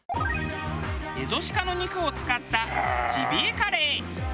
エゾシカの肉を使ったジビエカレー。